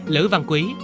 lữ văn quý